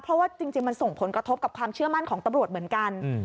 เพราะว่าจริงมันส่งผลกระทบกับความเชื่อมั่นของตำรวจเหมือนกัน